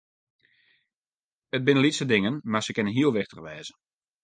It binne lytse dingen, mar se kinne heel wichtich wêze.